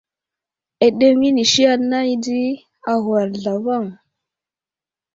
Aɗeŋw inisi anay di agwar zlavaŋ.